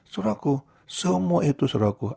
seorang aku semua itu seorang aku